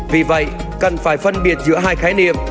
vì vậy cần phải phân biệt giữa hai khái niệm